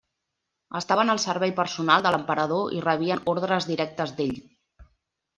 Estaven al servei personal de l'emperador i rebien ordres directes d'ell.